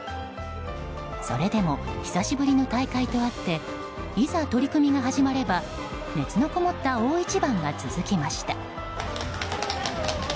それでも久しぶりの大会とあっていざ取組が始まれば熱のこもった大一番が続きました。